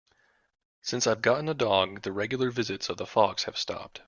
Since I've gotten a dog, the regular visits of the fox have stopped.